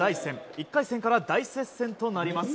１回戦から大接戦となります。